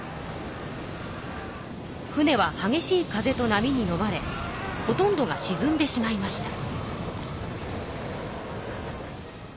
船ははげしい風と波にのまれほとんどがしずんでしまいました。